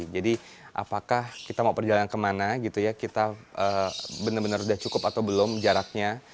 jadi apakah kita mau perjalanan kemana kita benar benar sudah cukup atau belum jaraknya